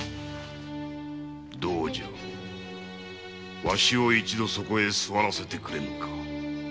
どうじゃわしを一度そこへ座らせてくれぬか。